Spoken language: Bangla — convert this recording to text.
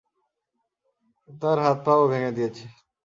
তার হাত পা ও ভেঙে দিয়েছে।